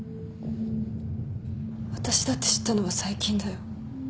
私だって知ったのは最近だよ。